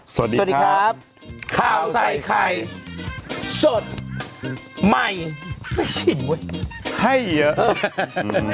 สวัสดีครับสวัสดีครับข้าวใส่ไข่สดใหม่ไม่ชินเว้ยให้เยอะเออ